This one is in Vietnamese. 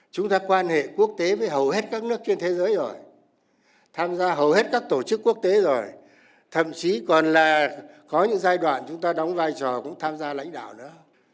chúng ta quan hệ quốc tế với hầu hết các nước trên thế giới rồi tham gia hầu hết các tổ chức quốc tế rồi thậm chí còn là có những giai đoạn chúng ta đóng vai trò cũng tham gia lãnh đạo nữa